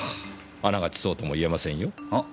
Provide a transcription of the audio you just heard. あながちそうとも言えませんよ。は？